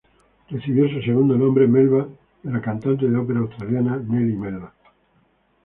Recibió su segundo nombre, Melba, de la cantante de ópera australiana Nellie Melba.